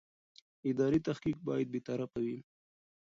اداري تحقیق باید بېطرفه وي.